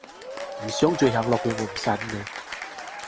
唔想再聽落去，我唔信你